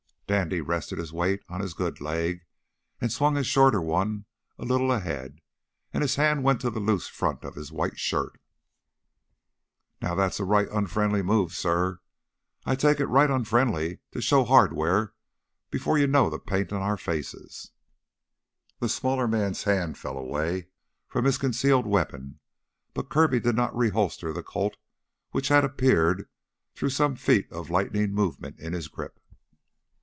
Dandy rested his weight on his good leg and swung his shorter one a little ahead. And his hand went to the loose front of his white shirt. "Now that's a right unfriendly move, suh. I take it right unfriendly to show hardware 'fore you know the paint on our faces " The smaller man's hand fell away from his concealed weapon, but Kirby did not reholster the Colt which had appeared through some feat of lightning movement in his grip.